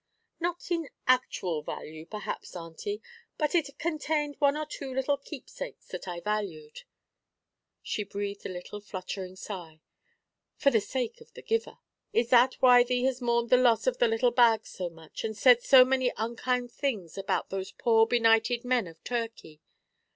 'Not in actual value perhaps, auntie, but it contained one or two little keepsakes that I valued' she breathed a little fluttering sigh 'for the sake of the giver.' 'Is that why thee has mourned the loss of the little bag so much, and said so many unkind things about those poor benighted men of Turkey?